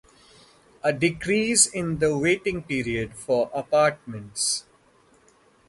A decrease in the waiting period for apartments.